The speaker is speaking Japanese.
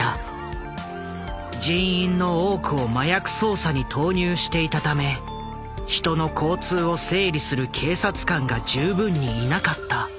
人員の多くを麻薬捜査に投入していたため人の交通を整理する警察官が十分にいなかった。